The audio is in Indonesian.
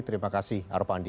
terima kasih arpandi